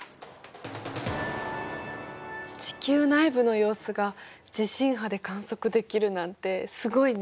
地球内部の様子が地震波で観測できるなんてすごいね。